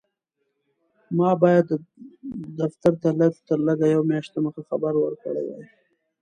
ما باید دفتر ته لږ تر لږه یوه میاشت دمخه خبر ورکړی وای.